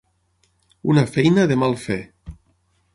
Una feina de mal fer.